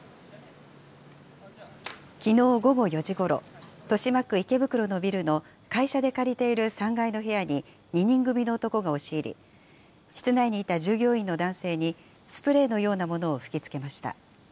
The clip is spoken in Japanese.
きのう午後４時ごろ、豊島区池袋のビルの会社で借りている３階の部屋に２人組の男が押し入り、室内にいた従業員の男性にスプレーのようなものを吹きつけました。